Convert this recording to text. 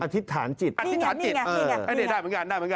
อธิษฐานจิตอธิษฐานจิตได้เหมือนกัน